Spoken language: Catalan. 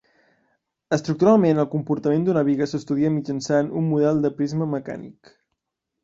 Estructuralment el comportament d'una biga s'estudia mitjançant un model de prisma mecànic.